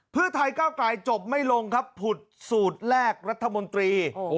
เพื่อไทยก้าวไกลจบไม่ลงครับผุดสูตรแรกรัฐมนตรี